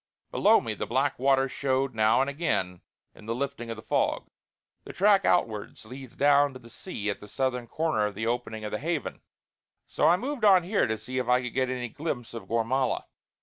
Below me the black water showed now and again in the lifting of the fog. The track outwards leads down to the sea at the southern corner of the opening of the Haven; so I moved on here to see if I could get any glimpse of Gormala.